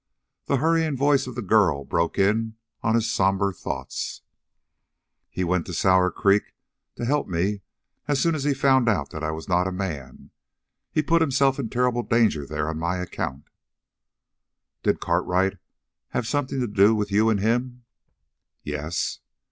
The hurrying voice of the girl broke in on his somber thoughts. "He went to Sour Creek to help me as soon as he found out that I was not a man. He put himself in terrible danger there on my account." "Did Cartwright have something to do with you and him?" "Yes."